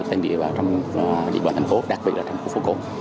đặc biệt là trong địa bàn thành phố đặc biệt là thành phố phố cổ